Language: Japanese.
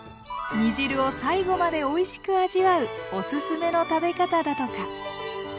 煮汁を最後までおいしく味わうおすすめの食べ方だとか。